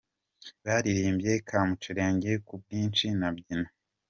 Baririmbye ’Kamucerenge’, ’Ku bwinshi’ na ’Byina’.